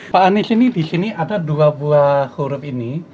pak anies ini di sini ada dua buah huruf ini